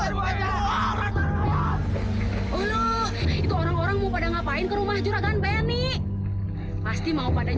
itu orang orang mau pada ngapain kerumah juragan beni pasti mau pada